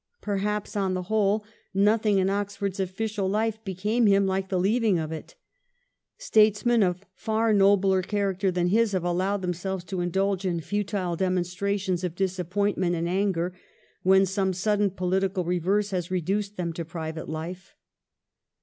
Perhaps, on the whole, nothing in Oxford's official life became him hke to the leaving of it. Statesmen of far nobler character than his have allowed them selves to indulge in futile demonstrations of disap pointment and anger when some sudden pohtical reverse has reduced them to private life.